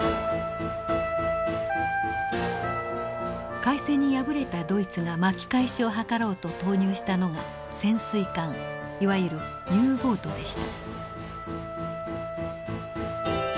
海戦に敗れたドイツが巻き返しを図ろうと投入したのが潜水艦いわゆるＵボートでした。